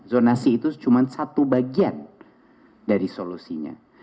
zonasi itu cuma satu bagian dari solusinya